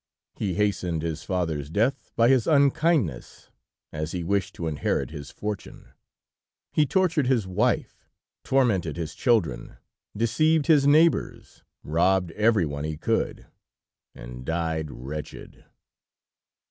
He hastened his father's death by his unkindness, as he wished to inherit his fortune, he tortured his wife, tormented his children, deceived his neighbors, robbed everyone he could, and died wretched.